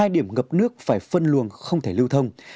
hai điểm ngập nước phải phân luồng không thể lưu thông